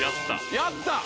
やった。